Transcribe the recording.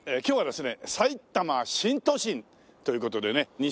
今日はですねさいたま新都心という事でね。